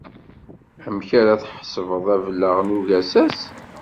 Amek ara tḥesbeḍ ableɣ n ugasas?